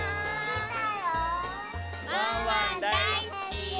ワンワンだいすき！